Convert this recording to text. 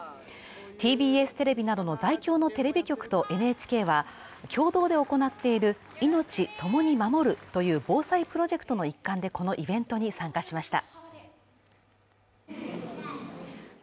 ＴＢＳテレビなどの在京のテレビ局とＮＨＫは、共同で行っている「＃いのちともに守る」という防災プロジェクトの一環でこのイベントに参加しました。